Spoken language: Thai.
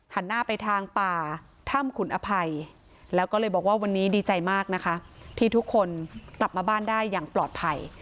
หันหน้าไปทางป่าถ้ำขุนอภัยแล้วก็เลยบอกว่าวันนี้ดีใจมากนะคะที่ทุกคนกลับมาบ้านได้อย่างปลอดภัย